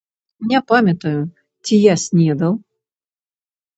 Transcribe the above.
Не памятаю, ці я снедаў.